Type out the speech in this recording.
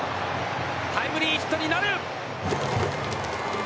タイムリーヒットになる。